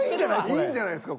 いいんじゃないすか。